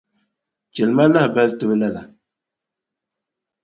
Chɛli ma lahabali tibu lala.